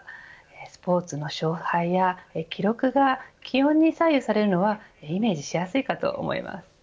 スポーツの勝敗や記録が気温に左右されるのはイメージしやすいかと思います。